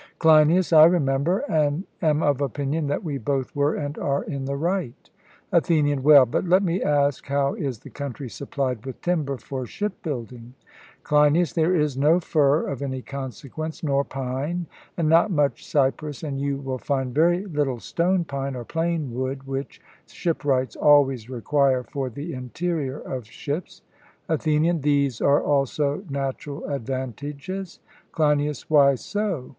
CLEINIAS: I remember, and am of opinion that we both were and are in the right. ATHENIAN: Well, but let me ask, how is the country supplied with timber for ship building? CLEINIAS: There is no fir of any consequence, nor pine, and not much cypress; and you will find very little stone pine or plane wood, which shipwrights always require for the interior of ships. ATHENIAN: These are also natural advantages. CLEINIAS: Why so?